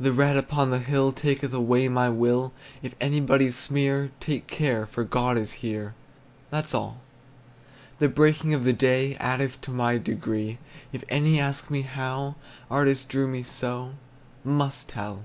The red upon the hill Taketh away my will; If anybody sneer, Take care, for God is here, That's all. The breaking of the day Addeth to my degree; If any ask me how, Artist, who drew me so, Must tell!